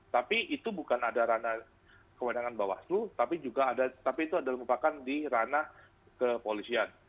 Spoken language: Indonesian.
tapi itu bukan ada ranah kewenangan bawaslu tapi itu juga ada membubarkan di ranah kepolisian